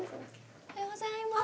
おはようございます。